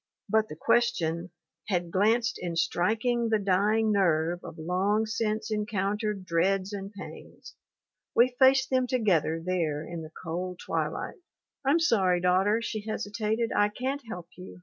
." But the question "had glanced in striking the dying nerve of Jong since encountered dreads and pains. We faced them together there in the cold twilight. " Tm sorry, daughter' she hesitated 'I can't help you.